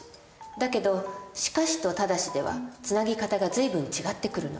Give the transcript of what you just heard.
だけど「しかし」と「ただし」ではつなぎ方が随分違ってくるの。